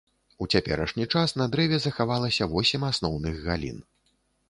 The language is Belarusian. У цяперашні час на дрэве захавалася восем асноўных галін.